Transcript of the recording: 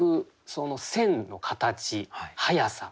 その線の形速さ。